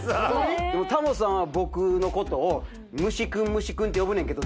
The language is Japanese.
タモさんは僕のことを虫くん虫くんって呼ぶねんけど